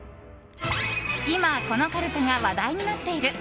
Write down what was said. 今、このかるたが話題になっている。